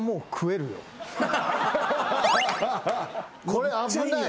これ危ない。